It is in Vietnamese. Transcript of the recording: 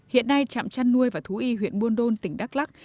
hiện nay trạm chăn nuôi và thú y huyện buôn đôn tỉnh đắk lắc